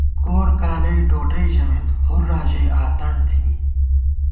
کورکالی ڈوڈَئی ژَمېت ، ہُرّا ژَئی آتݨ تھنی